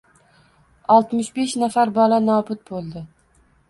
Oltmush besh nafar bola nobud boʻldi